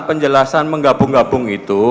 penjelasan menggabung gabung itu